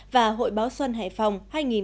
và hội báo xuân hải phòng hai nghìn hai mươi